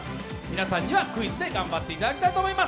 皆さんにはクイズで頑張っていただきたいと思います。